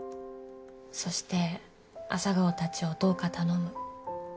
そして朝顔たちをどうか頼む」